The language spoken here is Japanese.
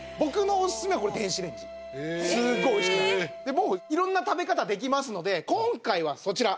もう色んな食べ方できますので今回はそちら。